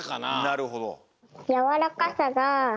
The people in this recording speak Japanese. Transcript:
なるほど。